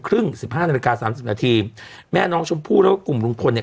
สิบห้านาฬิกาสามสิบนาทีแม่น้องชมพู่แล้วก็กลุ่มลุงพลเนี่ย